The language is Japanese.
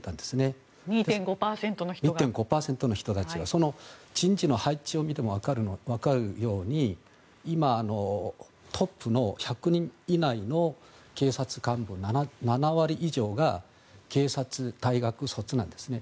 その人事の配置を見ても分かるように今、トップの１００人以内の警察幹部の７割以上が警察大学卒なんですね。